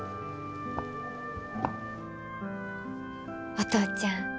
お父ちゃん